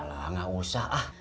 lah gak usah ah